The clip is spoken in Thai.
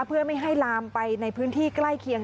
เพื่อไม่ให้ลามไปในพื้นที่ใกล้เคียง